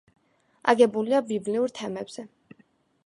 აგებულია ბიბლიურ თემებზე.